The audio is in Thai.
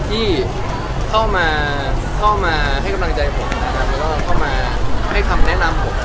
ที่เข้ามาเข้ามาให้กำลังใจผมนะครับแล้วก็เข้ามาให้คำแนะนำผม